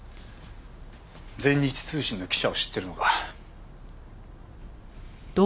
全日通信の記者を知ってるのか？